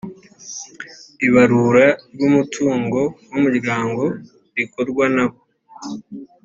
ibarura ry umutungo w umuryango rikorwa n abo